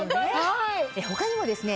他にもですね